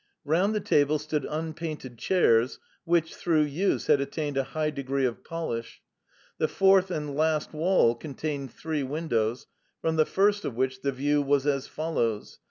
Round the table stood unpainted chairs which, through use, had attained a high degree of polish. The fourth and last wall contained three windows, from the first of which the view was as follows.